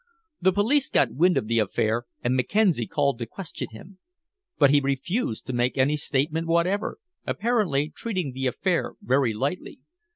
The police got wind of the affair, and Mackenzie called to question him. But he refused to make any statement whatever, apparently treating the affair very lightly.